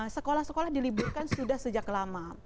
sekolah sekolah diliburkan sudah sejak lama